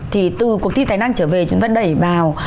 thì từ cuộc thi tài năng trở về chúng ta đẩy vào